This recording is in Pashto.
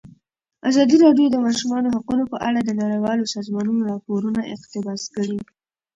ازادي راډیو د د ماشومانو حقونه په اړه د نړیوالو سازمانونو راپورونه اقتباس کړي.